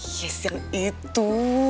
yes yang itu